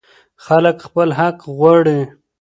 خلک خپل حق غواړي.